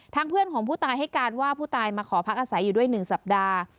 เพื่อนของผู้ตายให้การว่าผู้ตายมาขอพักอาศัยอยู่ด้วย๑สัปดาห์